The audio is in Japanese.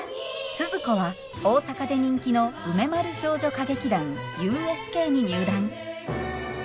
スズ子は大阪で人気の梅丸少女歌劇団ＵＳＫに入団。